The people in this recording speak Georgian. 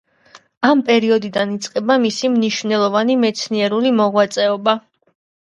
ამ პერიოდიდან იწყება მისი მნიშვნელოვანი მეცნიერული მოღვაწეობა.